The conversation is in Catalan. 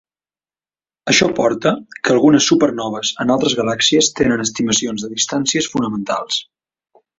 Això porta que algunes supernoves en altres galàxies tenen estimacions de distàncies fonamentals.